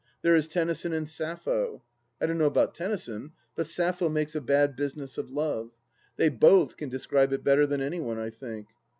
There is Tennyson and Sappho. I don't know about Tennyson, but Sappho made a bad business of love. They both can describe it better than any one, I think.